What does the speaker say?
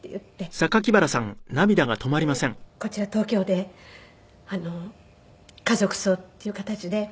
それでこちら東京で家族葬っていう形で。